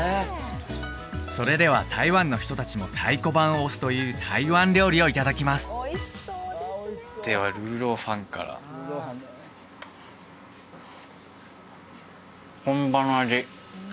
それでは台湾の人達も太鼓判を押すという台湾料理をいただきますでは魯肉飯から本場の味